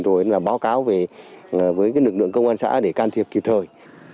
rồi báo cáo với lực lượng công an xã để can thiệp kịp thời